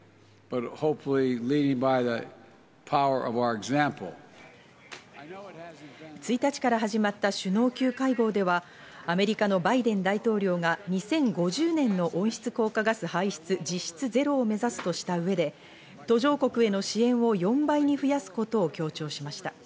１日から始まった首脳級会合では、アメリカのバイデン大統領が２０５０年の温室効果ガス排出実質ゼロを目指すとした上で、途上国への支援を４倍に増やすことを強調しました。